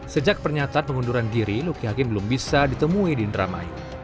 sejak pernyataan pengunduran diri luki hakim belum bisa ditemui di indramayu